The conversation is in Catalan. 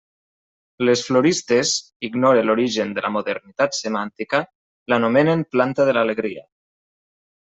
Les floristes —ignore l'origen de la modernitat semàntica— l'anomenen planta de l'alegria.